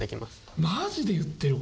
マジで言ってる？